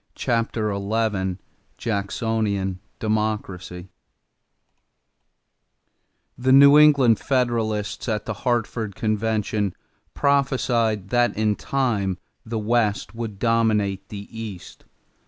CHAPTER XI JACKSONIAN DEMOCRACY The New England Federalists, at the Hartford convention, prophesied that in time the West would dominate the East.